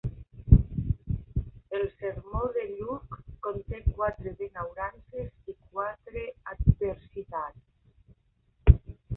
El sermó de Lluc conté quatre benaurances i quatre adversitats.